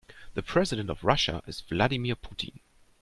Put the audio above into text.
The president of Russia is Vladimir Putin.